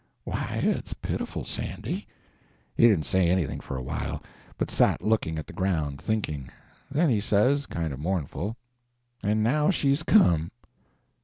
'" "Why, it's pitiful, Sandy." He didn't say anything for a while, but sat looking at the ground, thinking. Then he says, kind of mournful: "And now she's come!"